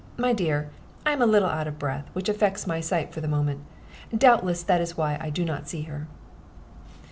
My dear, I am a little out of breath, which affects my sight for the moment. Doubtless that is why I do not see her."